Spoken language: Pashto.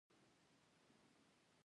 ځای ته راشه، هلته زه د راحت احساس کوم.